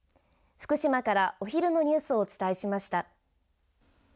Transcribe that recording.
福島からお昼のニュースをお伝えしました。